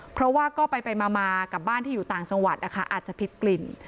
เพราะว่าก็ไปมากับบ้านที่อยู่ต่างจังหวัดนะคะอาจจะผิดกลิ่น